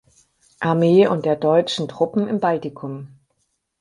Armee und der deutschen Truppen im Baltikum.